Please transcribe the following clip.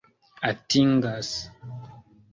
atingas